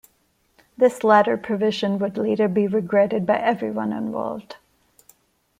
This latter provision would later be regretted by everyone involved.